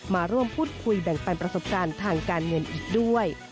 มาร่วมพูดคุยแบ่งปันประสบการณ์ทางการเงินอีกด้วย